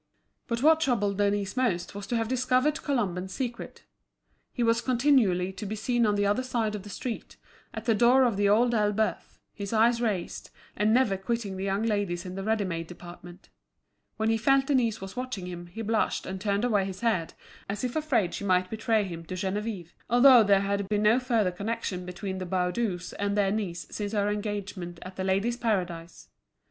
But what troubled Denise most was to have discovered Colomban's secret. He was continually to be seen on the other side of the street, at the door of The Old Elbeuf, his eyes raised, and never quitting the young ladies in the ready made department. When he felt Denise was watching him he blushed and turned away his head, as if afraid she might betray him to Geneviève, although there had been no further connection between the Baudus and their niece since her engagement at The Ladies' Paradise.